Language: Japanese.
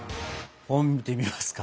本見てみますか。